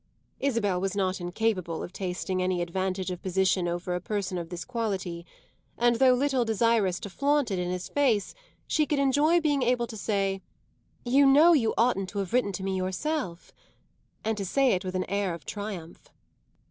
Isabel was not incapable of tasting any advantage of position over a person of this quality, and though little desirous to flaunt it in his face she could enjoy being able to say "You know you oughtn't to have written to me yourself!" and to say it with an air of triumph.